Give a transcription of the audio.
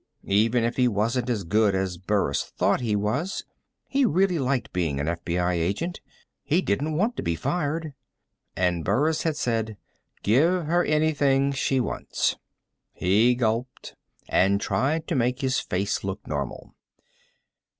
Even if he wasn't as good as Burris thought he was, he really liked being an FBI agent. He didn't want to be fired. And Burris had said: "Give her anything she wants." He gulped and tried to make his face look normal.